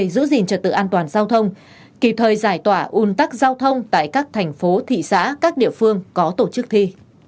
giữ gìn trật tự an toàn giao thông kịp thời giải tỏa un tắc giao thông tại các thành phố thị xã các địa phương có tổ chức thi